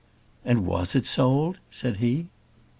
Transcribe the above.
"And was it sold?" said he.